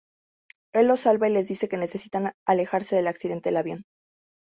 Él los salva y les dice que necesitan alejarse del accidente del avión.